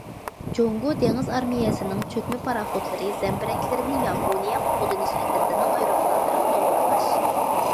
جۇڭگو دېڭىز ئارمىيەسىنىڭ چۆكمە پاراخوتلىرى زەمبىرەكلىرىنى ياپونىيە قوغدىنىش ئەترىتىنىڭ ئايروپىلانلىرىغا توغرىلاش.